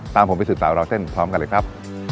ตามผมไปสื่อต่อเวลาเส้นพร้อมกันเลยครับ